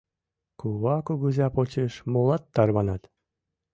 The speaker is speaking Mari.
Кува-кугыза почеш молат тарванат.